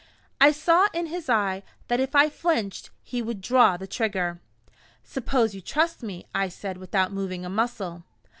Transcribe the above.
I saw in his eye, that if I flinched, he would draw the trigger. "Suppose you trust me?" I said, without moving a muscle.